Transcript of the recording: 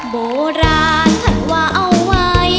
โบราณถัดว่าเอาไว้